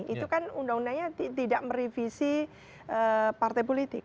itu kan undang undangnya tidak merevisi partai politik